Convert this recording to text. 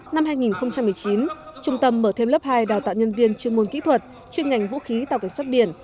năm hai nghìn một mươi chín trung tâm mở thêm lớp hai đào tạo nhân viên chuyên môn kỹ thuật chuyên ngành vũ khí tàu cảnh sát biển